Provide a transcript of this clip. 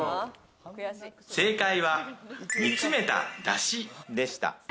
正解は煮詰めたダシでした。